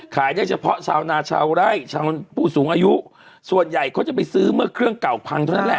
ได้เฉพาะชาวนาชาวไร่ชาวผู้สูงอายุส่วนใหญ่เขาจะไปซื้อเมื่อเครื่องเก่าพังเท่านั้นแหละ